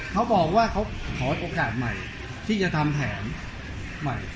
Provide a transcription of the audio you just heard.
เขาบอกว่าเขาขอโอกาสใหม่ที่จะทำแผนใหม่